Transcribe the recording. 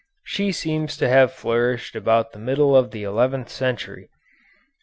She seems to have flourished about the middle of the eleventh century.